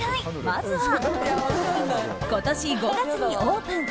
まずは、今年５月にオープン。